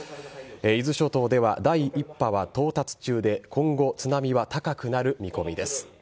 伊豆諸島では第１波は到達中で今後、津波は高くなる見込みです。